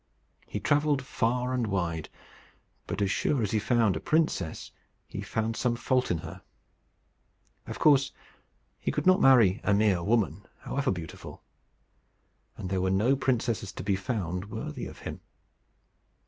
He travelled far and wide, but as sure as he found a princess, he found some fault in her. Of course he could not marry a mere woman, however beautiful; and there was no princess to be found worthy of him.